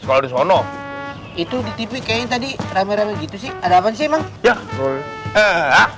kalau di solo itu di tv kayaknya tadi rame rame gitu sih ada apa sih emang